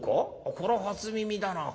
こらぁ初耳だな。